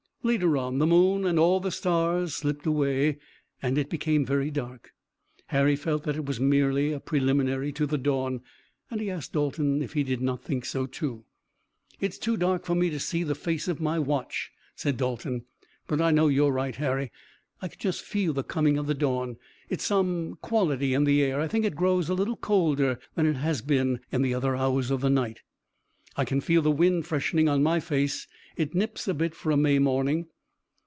Later on, the moon and all the stars slipped away, and it became very dark. Harry felt that it was merely a preliminary to the dawn, and he asked Dalton if he did not think so, too. "It's too dark for me to see the face of my watch," said Dalton, "but I know you're right, Harry. I can just feel the coming of the dawn. It's some quality in the air. I think it grows a little colder than it has been in the other hours of the night." "I can feel the wind freshening on my face. It nips a bit for a May morning."